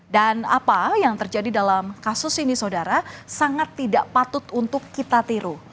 dan apa yang terjadi dalam kasus ini sangat tidak patut untuk kita tiru